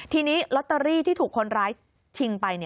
ทีนี้ลอตเตอรี่ที่ถูกคนร้ายชิงไป